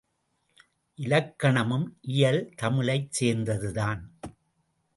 இலக்கணமும் இயல் தமிழைச் சேர்ந்ததுதான்.